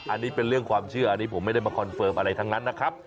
อันนี้เป็นเรื่องความเชื่ออันนี้ผมไม่ได้มาคอนเฟิร์มอะไรทั้งนั้นนะครับ